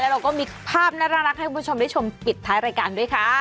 เราก็มีภาพน่ารักให้คุณผู้ชมได้ชมปิดท้ายรายการด้วยค่ะ